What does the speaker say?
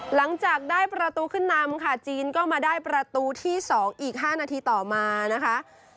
หลังจากได้ประตูขึ้นนำค่ะจีนก็มาได้ประตูที่๒อีก๕นาทีต่อมานะคะ